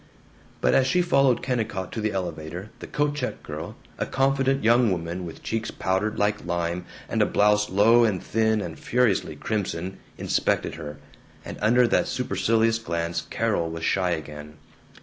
But as she followed Kennicott to the elevator the coat check girl, a confident young woman, with cheeks powdered like lime, and a blouse low and thin and furiously crimson, inspected her, and under that supercilious glance Carol was shy again.